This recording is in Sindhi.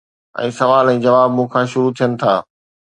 ۽ سوال ۽ جواب مون کان شروع ٿين ٿا.